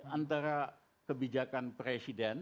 antara kebijakan presiden